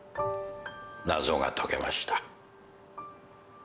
謎が解けました。